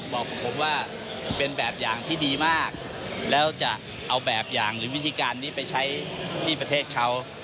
บอกผมว่าเป็นแบบอย่างที่ดีมากแล้วจะเอาแบบอย่างหรือวิธีการนี้ไปใช้ที่ประเทศเขา